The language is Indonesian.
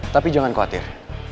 tapi jangan khawatir